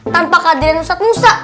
tanpa kehadiran ustadz musa